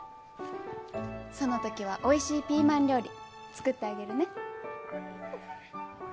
そのときはおいしいピーマン料理作ってあげるね。